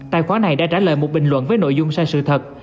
tài khoá này đã trả lời một bình luận với nội dung sai sự thật